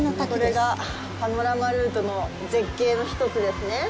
これがパノラマルートの絶景の一つですね。